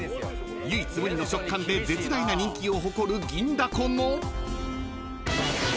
［唯一無二の食感で絶大な人気を誇る銀だこの］